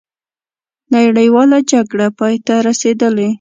نړیواله جګړه پای ته رسېدلې.